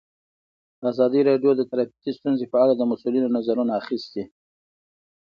ازادي راډیو د ټرافیکي ستونزې په اړه د مسؤلینو نظرونه اخیستي.